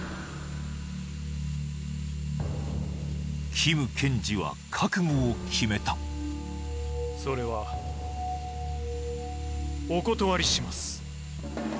キム検事は覚悟を決めたそれはお断りします